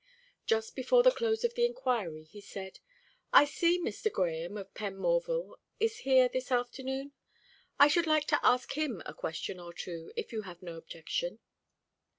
Just before the close of the inquiry, he said: "I see Mr. Grahame, of Penmorval, is here this afternoon. I should like to ask him a question or two, if you have no objection."